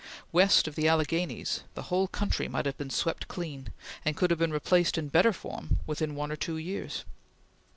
West of the Alleghenies, the whole country might have been swept clean, and could have been replaced in better form within one or two years.